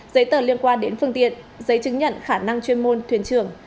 giấy tờ liên quan đến phương tiện giấy chứng nhận khả năng chuyên môn thuyền trưởng